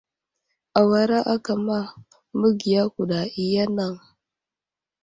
Awara aka məgiya kuɗa i anaŋ.